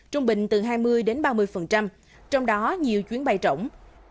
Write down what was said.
trung bình từ hai mươi đến ba mươi trong đó nhiều chuyến bay rỗng